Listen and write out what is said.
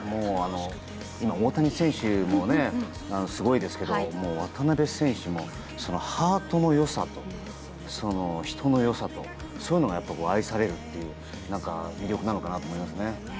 今、大谷選手もすごいですけど渡邊選手もハートの良さと、人の良さとそういうのが愛されるというか魅力なのかなと思います。